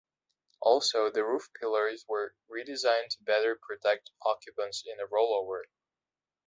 Also, the roof pillars were redesigned to better protect occupants in a rollover.